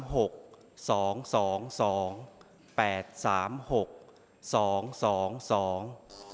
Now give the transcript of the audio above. หกสองสองสองแปดสามหกสองสองสอง